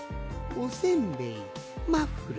おせんべいマフラー